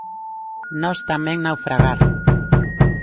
Nós tamén naufragar.